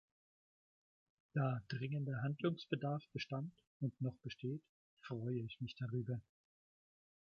Da dringender Handlungsbedarf bestand und noch besteht, freue ich mich darüber.